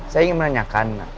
saya ingin menanyakan